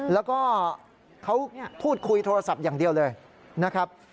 แล้วก็เขาพูดคุยโทรศัพท์อย่างเดียวเลยนะครับ